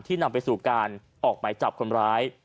นำไปสู่การออกหมายจับคนร้าย